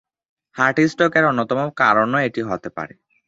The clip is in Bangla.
হার্ট স্ট্রোক এর অন্যতম কারণও এটি হতে পারে।